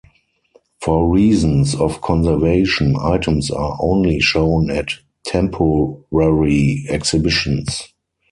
For reasons of conservation items are only shown at temporary exhibitions.